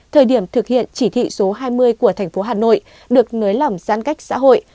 thời điểm thực hiện chỉ thị số hai mươi của thành phố hà nội được nới lỏng giãn cách xã hội